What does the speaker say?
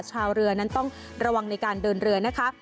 ชาวเรือนั้นต้องระวังในการเดินเรือนะคะ